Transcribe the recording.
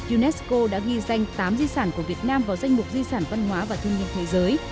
unesco đã ghi danh tám di sản của việt nam vào danh mục di sản văn hóa và thiên nhiên thế giới